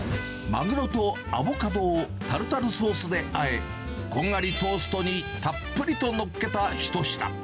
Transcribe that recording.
マグロとアボカドをタルタルソースであえ、こんがりトーストにたっぷりとのっけた一品。